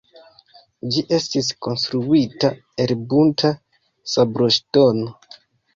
Ĝi estis konstruita el bunta sabloŝtono.